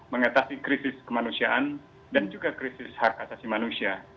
mengatasi krisis kemanusiaan dan juga krisis hak asasi manusia